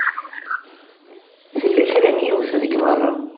Tella kra n yiwet deg beṛṛa.